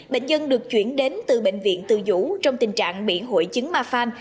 bệnh nhân được chuyển đến từ bệnh viện từ dũ trong tình trạng bị hội chứng mafan